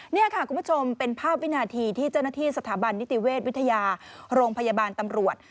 นี่ค่ะคุณผู้ชมเป็นภาพวินาทีที่เจ้าหน้าที่สถาบันนิติเวชวิทยาโรงพยาบาลตำรวจ